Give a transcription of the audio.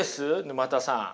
沼田さん。